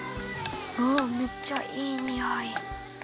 わっめっちゃいいにおい。